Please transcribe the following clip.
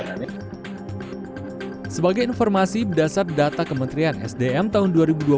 sebagai informasi berdasar data kementerian sdm tahun dua ribu dua puluh